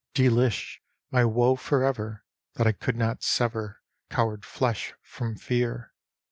Declish! my woe forever that I could not sever coward flesh from fear.